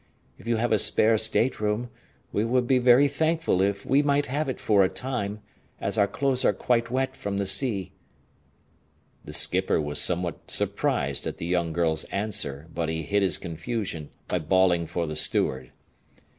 If you have a spare stateroom, we would be very thankful if we might have it for a time, as our clothes are quite wet from the sea." The skipper was somewhat surprised at the young girl's answer, but he hid his confusion by bawling for the steward.